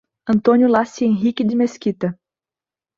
Antônio Laci Henrique de Mesquita